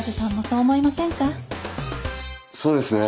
そうですね。